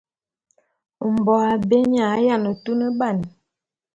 Mbo abé nye a yiane tuneban.